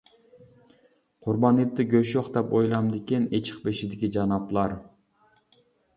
قۇربان ھېيتتا گۆش يوق دەپ ئويلامدىكىن ئېچىق بېشىدىكى جانابلار.